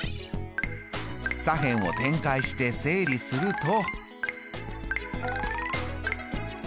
左辺を展開して整理すると。